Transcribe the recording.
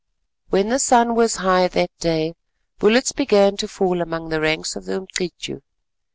When the sun was high that day, bullets began to fall among the ranks of the Umcityu.